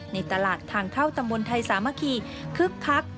ในตลาดทางเข้าตำบลไทยสามัคคีคึกคัก